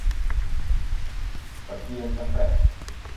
Per qui ens han pres?